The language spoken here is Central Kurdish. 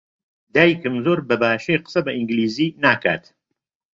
دایکم زۆر بەباشی قسە بە ئینگلیزی ناکات.